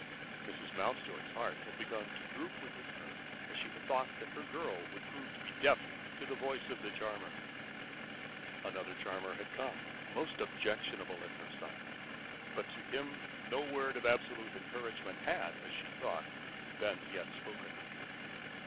Mrs. Mountjoy's heart had begun to droop within her as she had thought that her girl would prove deaf to the voice of the charmer. Another charmer had come, most objectionable in her sight, but to him no word of absolute encouragement had, as she thought, been yet spoken.